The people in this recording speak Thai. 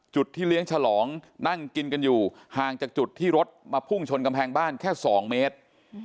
ที่เลี้ยงฉลองนั่งกินกันอยู่ห่างจากจุดที่รถมาพุ่งชนกำแพงบ้านแค่๒เมตร